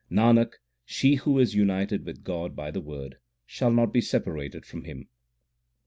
Nanak, she who is united with God by the Word shall not be separated from Him.